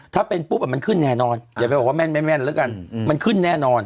ถ้าเป็นปุ๊บมันขึ้นแน่นอนอย่าไปบอกว่าแม่นไม่แม่นแล้วกันมันขึ้นแน่นอน